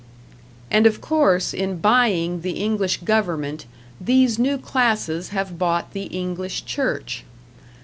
And of course, in buying the English government, these new classes have bought the English Church.